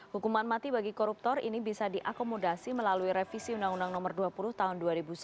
hukuman mati bagi koruptor ini bisa diakomodasi melalui revisi undang undang nomor dua puluh tahun dua ribu sembilan